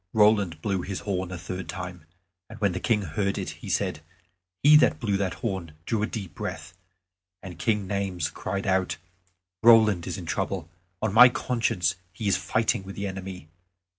Roland blew his horn a third time, and when the King heard it he said, "He that blew that horn drew a deep breath." And Duke Naymes cried out, "Roland is in trouble; on my conscience he is fighting with the enemy.